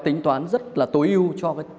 tính toán rất là tối ưu cho cái